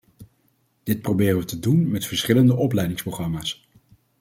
Dit proberen we te doen met verschillende opleidingsprogramma's.